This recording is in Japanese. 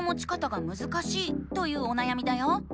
というおなやみだよ。